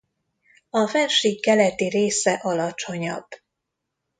A fennsík keleti része alacsonyabb.